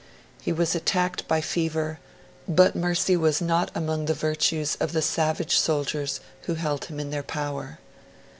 He was attacked by fever; but mercy was not among the virtues of the savage soldiers who held him in their power.